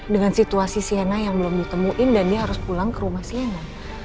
dengan situasi siana yang belum ditemuin dan dia harus pulang ke rumah sienna